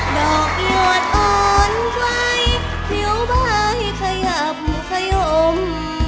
ดอกหลวดอ่อนไกลผิวบายขยับมุขยม